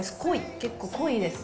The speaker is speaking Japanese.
結構濃いです。